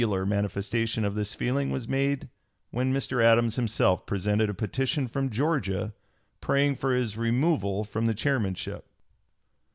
280) manifestation of this feeling was made when Mr. Adams himself presented a petition from Georgia praying for his removal from this Chairmanship.